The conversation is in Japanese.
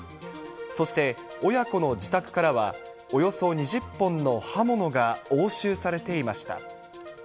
そして、親子の自宅からはおよそ２０本の刃物が押収されていました。